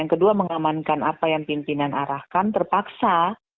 yang kedua mengamankan apa yang pimpinan arahkan terpaksa